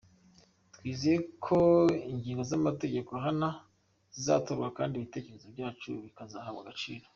Twizeye ko ingingo z’amategeko ahana zizatorwa kandi ibitekerezo byacu bikazahabwa agaciro.